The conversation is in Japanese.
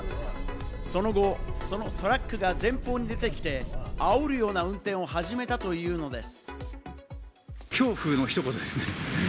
その後、トラックが前方に出てきて、あおるような運転を始めたというのです。